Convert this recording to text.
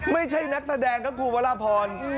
ไม่ใช่นักแสดงครับคุณวรพร